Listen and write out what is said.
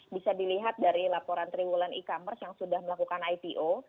bisa dilihat dari laporan triwulan e commerce yang sudah melakukan ipo